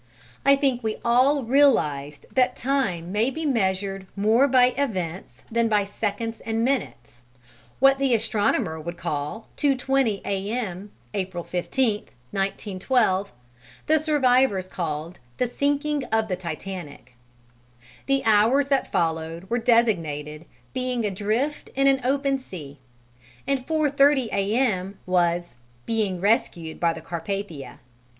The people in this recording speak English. I think we all realized that time may be measured more by events than by seconds and minutes: what the astronomer would call "2.20 A.M. April 15th, 1912," the survivors called "the sinking of the Titanic"; the "hours" that followed were designated "being adrift in an open sea," and "4.30 A.M." was "being rescued by the Carpathia."